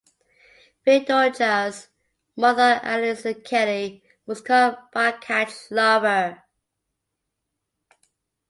Feardorcha's mother Alison Kelly was Conn Bacach's lover.